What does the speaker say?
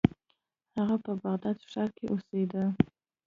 هغه په بغداد ښار کې اوسیده.